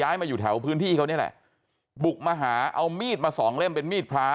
มาอยู่แถวพื้นที่เขานี่แหละบุกมาหาเอามีดมาสองเล่มเป็นมีดพระ